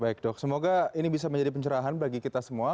baik dok semoga ini bisa menjadi pencerahan bagi kita semua